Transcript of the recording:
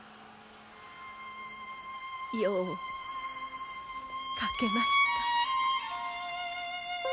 よう描けました。